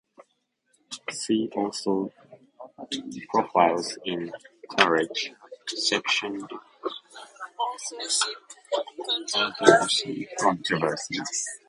See also "Profiles in Courage", section: Authorship controversy.